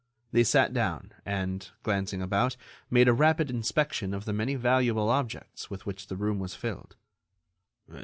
They sat down and, glancing about, made a rapid inspection of the many valuable objects with which the room was filled.